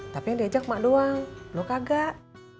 tapi yang diajak mak doang lo kagak